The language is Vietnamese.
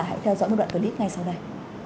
hãy theo dõi một đoạn clip ngay sau đây